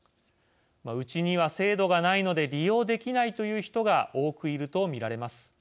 うちには制度がないので利用できないという人が多くいると見られます。